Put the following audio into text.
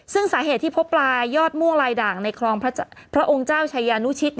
ซึ่งสาเหตุที่พบปลายอดม่วงลายด่างในคลองพระองค์เจ้าชายานุชิต